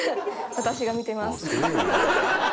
「私が見てます」。